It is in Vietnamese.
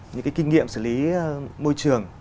những kinh nghiệm xử lý môi trường